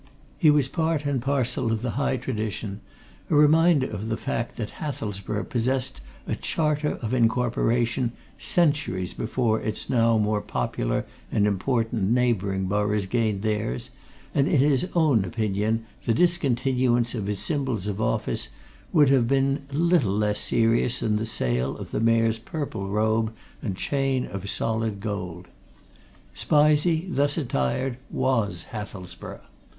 He was part and parcel of the high tradition, a reminder of the fact that Hathelsborough possessed a Charter of Incorporation centuries before its now more popular and important neighbouring boroughs gained theirs, and in his own opinion the discontinuance of his symbols of office would have been little less serious than the sale of the Mayor's purple robe and chain of solid gold: Spizey, thus attired, was Hathelsborough.